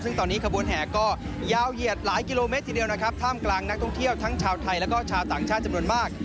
ซึ่งตอนนี้ขบวนแห่ก็ยาวเหยียดหลายกิโลเมตรทีเดียวนะครับท่ามกลางนักท่องเที่ยวทั้งชาวไทยแล้วก็ชาวต่างชาติจำนวนมาก